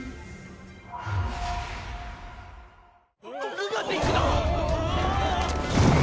ルナティックだ！